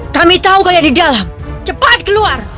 kami tahu kalau di dalam cepat keluar